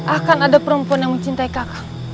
akan ada perempuan yang mencintai kakak